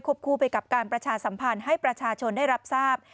คู่ไปกับการประชาสัมพันธ์ให้ประชาชนได้รับทราบ